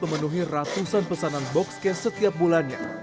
memenuhi ratusan pesanan boxcase setiap bulannya